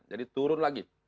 jadi turun lagi